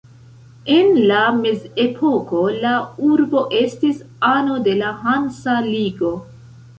En la Mezepoko la urbo estis ano de la Hansa Ligo.